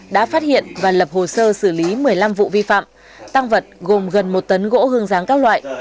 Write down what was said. đã phát hiện và lập hồ sơ xử lý một mươi năm vụ vi phạm tăng vật gồm gần một tấn gỗ hương giáng các loại